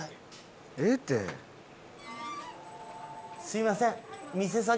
すいません。